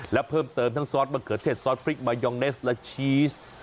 และเพิ่มเติมทั้งซอสมะเขือเทศซอสพริกมายองเนสและชีส